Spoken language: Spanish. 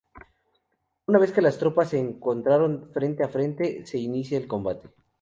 Una vez que las tropas se encontraron frente a frente, se inicia el combate.